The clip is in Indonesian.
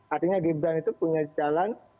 artinya gibran itu punya jalan